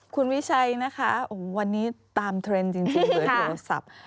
คุณวิชัยนะคะวันนี้ตามเทรนด์จริงเบอร์โทรศัพท์